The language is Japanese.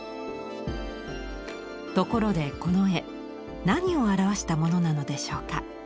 ところでこの絵何を表したものなのでしょうか。